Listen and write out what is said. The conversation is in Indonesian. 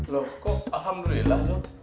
loh kok alhamdulillah lho